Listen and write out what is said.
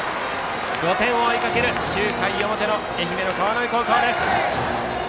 ５点を追いかける９回の表の愛媛の川之江高校です。